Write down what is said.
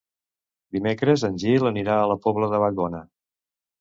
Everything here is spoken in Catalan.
Dimecres en Gil anirà a la Pobla de Vallbona.